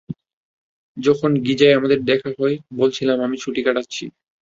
যখন গিজায় আমাদের দেখা হয়, বলেছিলাম আমি ছুটি কাটাচ্ছি।